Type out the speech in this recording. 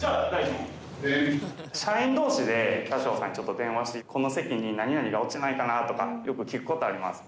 社員同士で車掌さんに電話してこの席に何々が落ちてないかなとかよく聞くことあります。